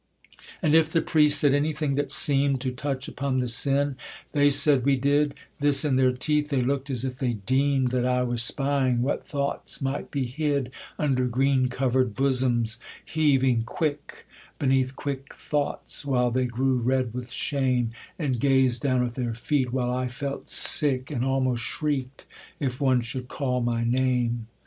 And if the priest said anything that seemed To touch upon the sin they said we did, (This in their teeth) they looked as if they deem'd That I was spying what thoughts might be hid Under green cover'd bosoms, heaving quick Beneath quick thoughts; while they grew red with shame, And gazed down at their feet: while I felt sick, And almost shriek'd if one should call my name.